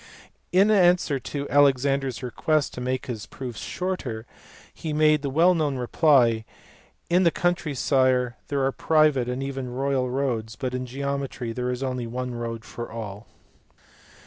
In answer to Alexander s request to make his proofs shorter, he made the well known reply, " In the country, sire, there are private and even royal roads, but in geometry there is only one road for all."